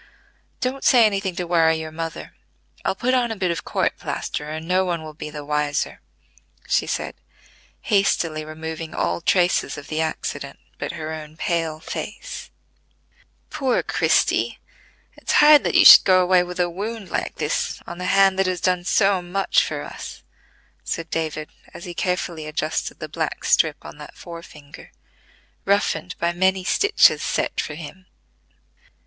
Don't say any thing to worry your mother; I'll put on a bit of court plaster, and no one will be the wiser," she said, hastily removing all traces of the accident but her own pale face. [Illustration: "ONE HAPPY MOMENT."] "Poor Christie, it's hard that you should go away with a wound like this on the hand that has done so much for us," said David, as he carefully adjusted the black strip on that forefinger, roughened by many stitches set for him.